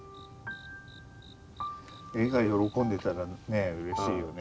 絵が喜んでたらねうれしいよね。